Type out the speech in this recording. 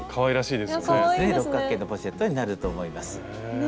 そうですね六角形のポシェットになると思います。